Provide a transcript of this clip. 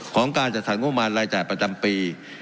การจัดสรรงบมารรายจ่ายประจำปี